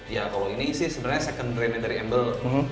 ya kalau ini sih sebenarnya secondary nya dari embl